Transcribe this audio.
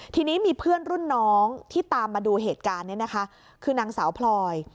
ทีนี้มีเพื่อนรุ่นน้องที่ตามมาดูเหตุการณ์นี้นะคะคือนางสาวพลอย